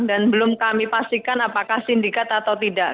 dan belum kami pastikan apakah sindikat atau tidak